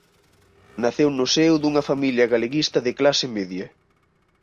Naceu no seo dunha familia galeguista de clase media.